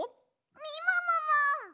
みももも！